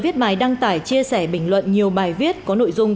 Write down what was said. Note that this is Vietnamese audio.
viết bài đăng tải chia sẻ bình luận nhiều bài viết có nội dung